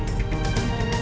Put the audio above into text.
ini beneran mas